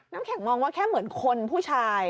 น้ำแข็งมองว่าแค่เหมือนคนผู้ชาย